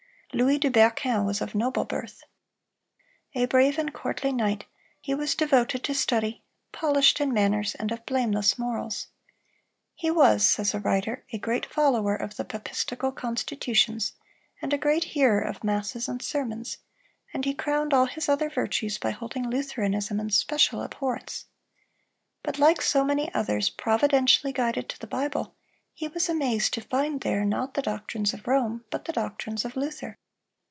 Louis de Berquin was of noble birth. A brave and courtly knight, he was devoted to study, polished in manners, and of blameless morals. "He was," says a writer, "a great follower of the papistical constitutions, and a great hearer of masses and sermons; ... and he crowned all his other virtues by holding Lutheranism in special abhorrence." But, like so many others, providentially guided to the Bible, he was amazed to find there, "not the doctrines of Rome, but the doctrines of Luther."